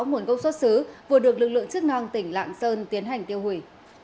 nguồn gốc xuất xứ vừa được lực lượng chức năng tỉnh lạng sơn tiến hành tiêu hủy